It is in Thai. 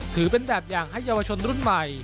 ถือเป็นแบบอย่างให้เยาวชนรุ่นใหม่